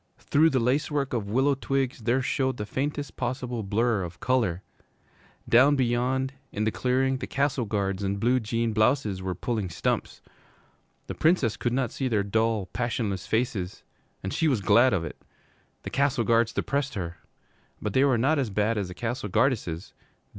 Through the lace work of willow twigs there showed the faintest possible blur of color. Down beyond, in the clearing, the Castle Guards in blue jean blouses were pulling stumps. The Princess could not see their dull, passionless faces, and she was glad of it. The Castle Guards depressed her. But they were not as bad as the Castle Guardesses.